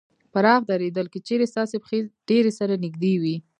پراخ درېدل : که چېرې ستاسې پښې ډېرې سره نږدې وي